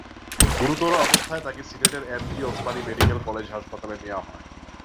গুরুতর অবস্থায় তাঁকে সিলেটের এমএজি ওসমানী মেডিকেল কলেজ হাসপাতালে নেওয়া হয়।